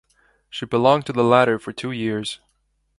She belonged to the latter for two years.